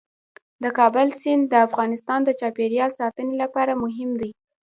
د کابل سیند د افغانستان د چاپیریال ساتنې لپاره مهم دي.